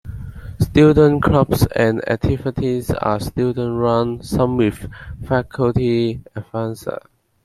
Student clubs and activities are student-run, some with faculty advisors.